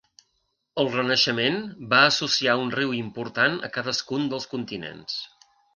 El Renaixement va associar un riu important a cadascun dels continents.